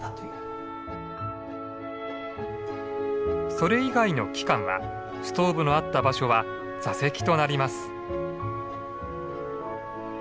それ以外の期間はストーブのあった場所は座席となります。